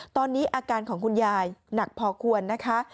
ตอนนี้อาการของคุณยายหนักพอควรนะคะ